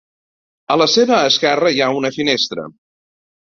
A la seva esquerra hi ha una finestra.